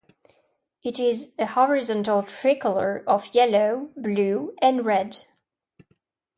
It is a horizontal tricolour of yellow, blue and red.